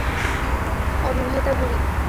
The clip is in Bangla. আপনি একটা অবিবাহিতা বুড়ি।